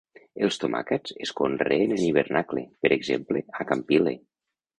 Els tomàquets es conreen en hivernacle, per exemple a Campile.